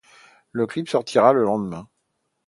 Le clip sortira le lendemain.